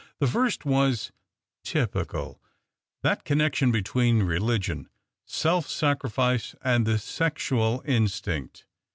The first was —" Typical — that connection between religion, slf sacrifice, and the sexual instinct